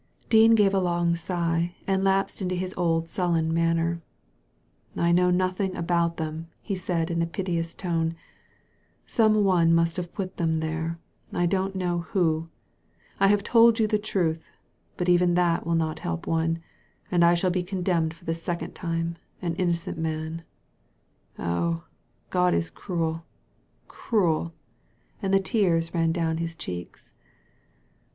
Dean gave a long sigh, and lapsed into his old sullen manner. ''I know nothing about them," he said in a piteous tone ;" some one must have put them there. I don't know who. I have told you the truth, but even that will not help one, and I shall be con demned for the second time — an innocent man. Oh, God is cruel — cruel 1 " and the tears ran down his cheeks.